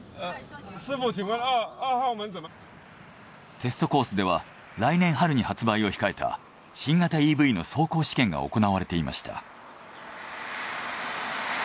テストコースでは来年春に発売を控えた新型ＥＶの走行試験が行われていました。